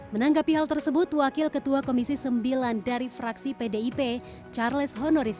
menanggapi hal tersebut wakil ketua komisi sembilan dari fraksi pdip charles honoris